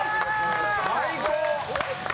最高！